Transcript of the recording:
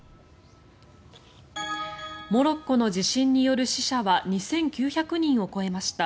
モロッコの地震による死者は２９００人を超えました。